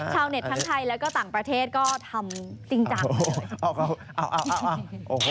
ชาวเน็ตทั้งไทยแล้วก็ต่างประเทศก็ทำจริงจังเลย